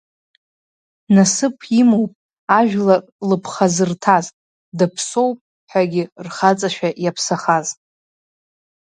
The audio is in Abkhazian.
Насыԥ имоуп ажәлар лыԥха зырҭаз, даԥсоуп ҳәагьы рхаҵашәа иаԥсахаз.